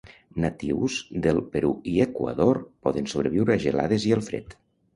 Natius del Perú i Ecuador, poden sobreviure a gelades i el fred.